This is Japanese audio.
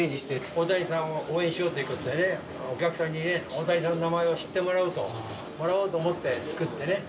大谷さんを応援しようということでね、お客さんに大谷さんの名前を知ってもらおうと思って、作ってね。